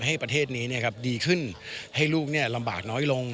ให้ประเทศนี้ดีขึ้นให้ลูกลำบากน้อยลง